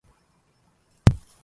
نبي براه الله من نوره الأسمى